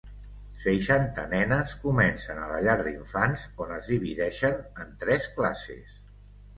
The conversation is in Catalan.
Seixanta nenes comencen a la llar d'infants, on es divideixen en tres classes.